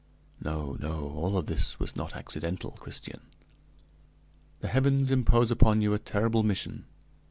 No, no; all this was not accidental, Christian. The heavens impose upon you a terrible mission.